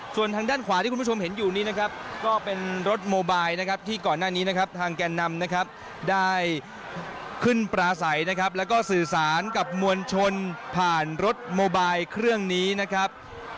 ส่วนทางด้านขวาที่คุณผู้ชมเห็นอยู่นี้นะครับก็เป็นรถโมบายนะครับที่ก่อนหน้านี้นะครับทางแก่นนำนะครับได้ขึ้นปลาใสนะครับแล้วก็สื่อสารกับมวลชนผ่านรถโมบายเครื่องนี้นะครับ